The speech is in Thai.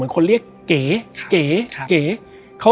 และวันนี้แขกรับเชิญที่จะมาเชิญที่เรา